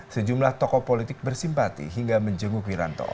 sejumlah tokoh politik bersimpati hingga menjenguk wiranto